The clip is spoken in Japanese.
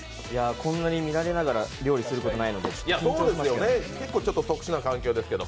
こんなに見られながら料理することないので緊張しますけど。